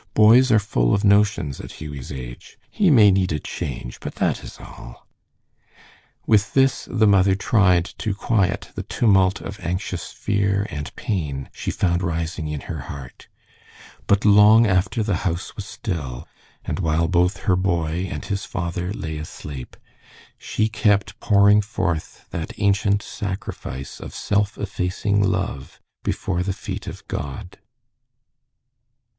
Boys are full of notions at Hughie's age. He may need a change, but that is all." With this the mother tried to quiet the tumult of anxious fear and pain she found rising in her heart, but long after the house was still, and while both her boy and his father lay asleep, she kept pouring forth that ancient sacrifice of self effacing love before the feet of God.